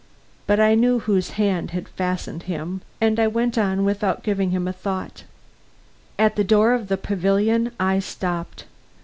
But I knew whose hand had fastened him, and I went on without giving him a thought. At the door of the pavilion I stopped.